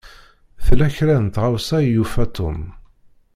Tella kra n tɣawsa i yufa Tom.